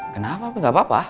kenapa gak apa apa